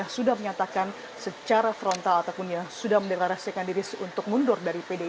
sudah menyatakan secara frontal ataupun sudah mendeklarasikan diri untuk mundur dari pdip